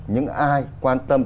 những ai quan tâm